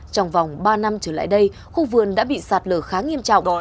trong vòng ba năm trở lại đây khu vườn đã bị sạt lở khá nghiêm trọng